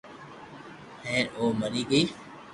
ھين او مري گئي